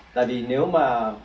tại vì nếu mà